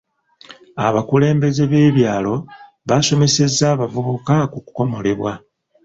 Abakulembeze b'ebyalo baasomesezza abavubuka ku kukomolebwa.